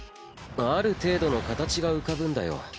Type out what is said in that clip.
ある程度の形が浮かぶんだよ。